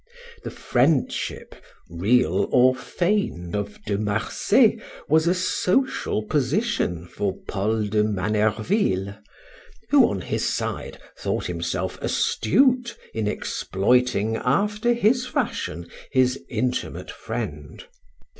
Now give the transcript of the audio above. The friendship, real or feigned, of De Marsay was a social position for Paul de Manerville, who, on his side, thought himself astute in exploiting, after his fashion, his intimate friend.